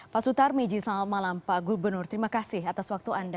pak sutar miji selamat malam pak gubernur terima kasih atas waktu anda